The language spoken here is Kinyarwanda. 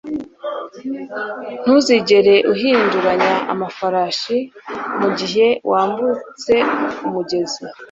Ntuzigere uhinduranya amafarashi mugihe wambutse umugezi